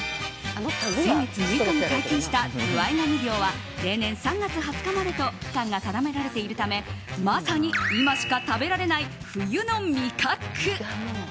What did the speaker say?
先月６日に解禁したズワイガニ漁は例年３月２０日までと期間が定められているためまさに今しか食べられない冬の味覚。